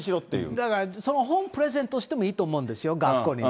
だからその本、プレゼントしてもいいと思うんですよ、学校にね。